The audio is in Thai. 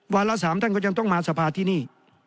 ละ๓ท่านก็ยังต้องมาสภาที่นี่